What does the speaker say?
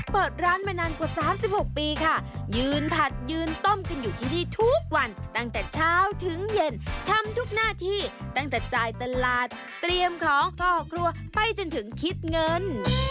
เปิดร้านมานานกว่า๓๖ปีค่ะยืนผัดยืนต้มกันอยู่ที่นี่ทุกวันตั้งแต่เช้าถึงเย็นทำทุกหน้าที่ตั้งแต่จ่ายตลาดเตรียมของห่อครัวไปจนถึงคิดเงิน